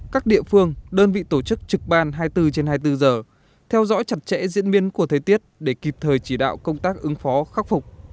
các địa phương đơn vị tổ chức trực ban hai mươi bốn trên hai mươi bốn giờ theo dõi chặt chẽ diễn biến của thời tiết để kịp thời chỉ đạo công tác ứng phó khắc phục